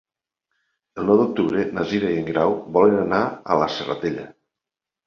El nou d'octubre na Cira i en Grau volen anar a la Serratella.